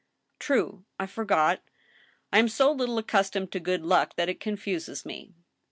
"True; I forgot, I am so little accustomed to good luck that it confuses me.